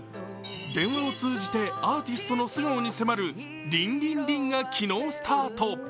電話を通じてアーティストの素顔に迫る「ＲＩＮＧ３」が昨日、スタート。